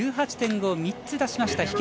１８．５を３つ出しました。